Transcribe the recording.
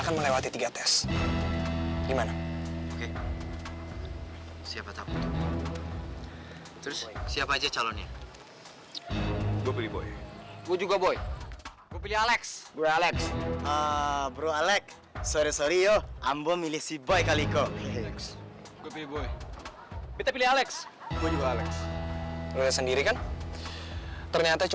semua anggota disini bisa mengusulkan siapa yang akan jadi capai warianya